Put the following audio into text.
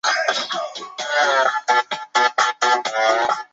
它的总部位于雅典。